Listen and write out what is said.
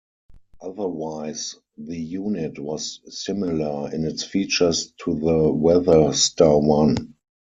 Otherwise, the unit was similar in its features to the Weather Star One.